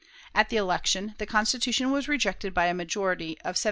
At the election the Constitution was rejected by a majority of 7,629.